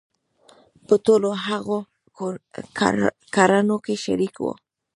په ټولو هغو کړنو کې شریک وو.